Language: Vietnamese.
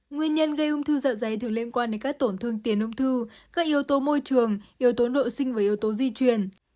nguyên nhân gây ung thư dạ dày thường liên quan đến các tổn thương tiền ung thư các yếu tố môi trường yếu tố nội sinh và yếu tố di truyền